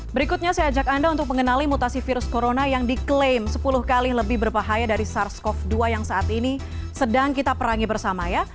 berikutnya saya ajak anda untuk mengenali mutasi virus corona yang diklaim sepuluh kali lebih berbahaya dari sars cov dua yang saat ini sedang kita perangi bersama ya